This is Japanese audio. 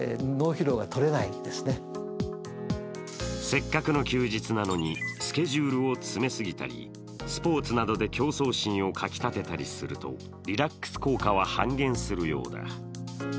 せっかくの休日なのに、スケジュールを詰めすぎたり、スポーツなどで競争心をかき立てたりすると、リラックス効果は半減するようだ。